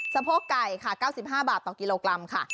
โพกไก่ค่ะ๙๕บาทต่อกิโลกรัมค่ะ